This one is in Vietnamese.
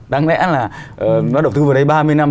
đáng lẽ là nó đầu tư vào đây ba mươi năm